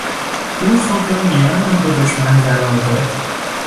او خود را میان آن دو دشمن قرار داد.